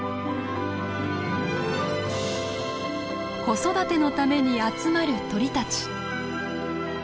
子育てのために集まる鳥たち。